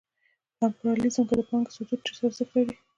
په امپریالیزم کې د پانګې صدور ډېر ارزښت لري